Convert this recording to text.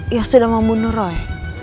ya sudah membunuh roy